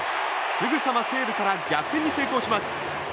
すぐさま西武から逆転に成功します。